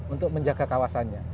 untuk menjaga kawasannya